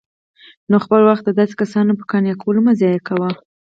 نو خپل وخت د داسي كسانو په قانع كولو مه ضايع كوه